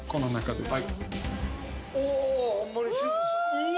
うわ！